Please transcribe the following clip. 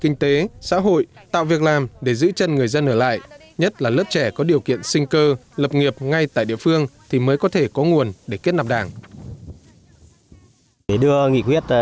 kinh tế xã hội tạo việc làm để giữ chân người dân ở lại nhất là lớp trẻ có điều kiện sinh cơ lập nghiệp ngay tại địa phương thì mới có thể có nguồn để kết nạp đảng